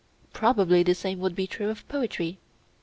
Probably the same would be true of poetry.